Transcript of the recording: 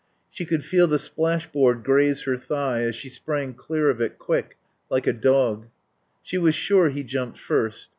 She could feel the splash board graze her thigh, as she sprang clear of it, quick, like a dog. She was sure he jumped first.